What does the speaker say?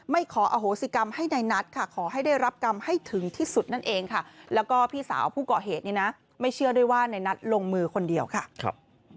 ไม่ขออโหสิกรรมให้ในนัดค่ะขอให้ได้รับกรรมให้ถึงที่สุดนั่นเองค่ะ